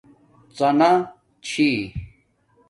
ڎانݳ چھی